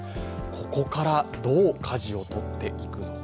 ここから、どうかじをとっていくのか。